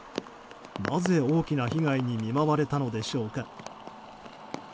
なぜ大きな被害に見舞われたのでしょうか。